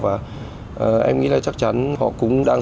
và em nghĩ là chắc chắn họ cũng đang